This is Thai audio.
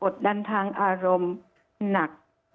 ดันทางอารมณ์หนัก